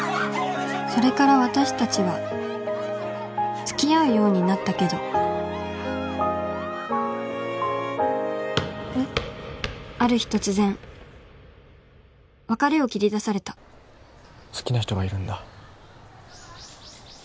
それから私達は付き合うようになったけどえっ？ある日突然別れを切り出された好きな人がいるんだ